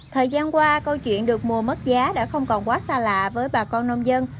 thời gian qua câu chuyện được mùa mất giá đã không còn quá xa lạ với bà con nông dân